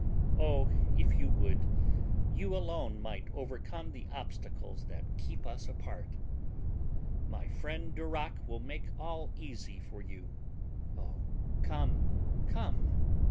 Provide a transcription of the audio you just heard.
Oh, if you would, you alone might overcome the obstacles that keep us apart. MY FRIEND DUROC WILL MAKE ALL EASY FOR YOU. Oh, come, come!